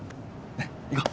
ねっ行こう！